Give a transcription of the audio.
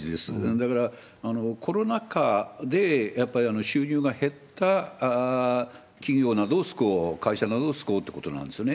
だからコロナ禍で、やっぱり収入が減った企業などを救おう、会社などを救おうということなんですね。